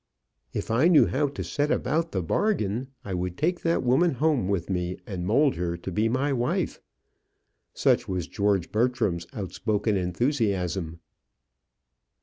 "If I knew how to set about the bargain, I would take that woman home with me, and mould her to be my wife." Such was George Bertram's outspoken enthusiasm.